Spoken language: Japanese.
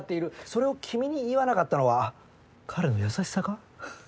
それを君に言わなかったのは彼の優しさか？